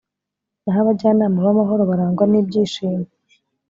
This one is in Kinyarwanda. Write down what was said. naho abajyanama b'amahoro barangwa n'ibyishimo